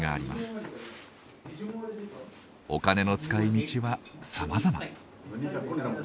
お金の使いみちはさまざま。